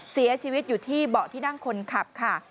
เสียชีวิตอยู่ที่เบาะที่นั่งคนขับค่ะ